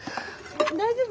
大丈夫。